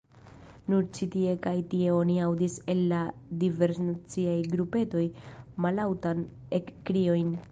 Nur ĉi tie kaj tie oni aŭdis el la diversnaciaj grupetoj mallaŭtajn ekkriojn: